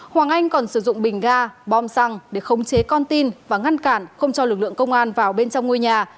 hoàng anh còn sử dụng bình ga bom xăng để khống chế con tin và ngăn cản không cho lực lượng công an vào bên trong ngôi nhà